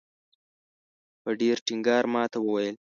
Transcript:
په ډېر ټینګار ماته وویل.